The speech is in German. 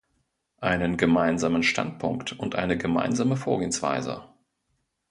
Einen gemeinsamen Standpunkt und eine gemeinsame Vorgehensweise.